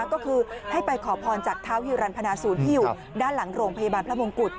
ก็คือให้ไปขอพรจากเท้าฮิวรรณพนาศูนย์ที่อยู่ด้านหลังโรงพยาบาลพระมงกุฎ